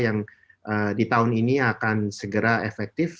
yang di tahun ini akan segera efektif